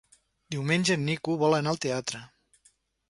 Diumenge en Nico vol anar al teatre.